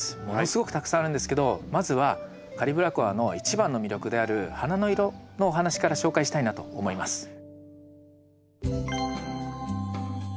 ものすごくたくさんあるんですけどまずはカリブラコアの一番の魅力である花の色のお話から紹介したいなと思います。